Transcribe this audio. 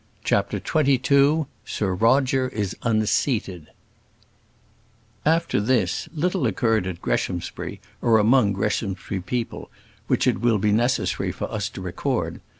CHAPTER XXII Sir Roger Is Unseated After this, little occurred at Greshamsbury, or among Greshamsbury people, which it will be necessary for us to record.